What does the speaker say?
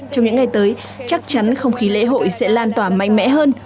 trong những ngày tới chắc chắn không khí lễ hội sẽ lan tỏa mạnh mẽ hơn